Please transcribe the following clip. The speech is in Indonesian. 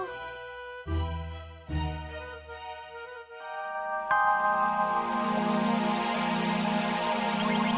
nanti aku pegang ajapm